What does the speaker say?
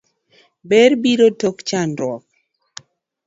Ber biro tok chandruo.